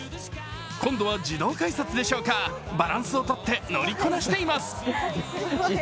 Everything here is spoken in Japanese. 今度は自動改札でしょうか、バランスを取って乗りこなしています。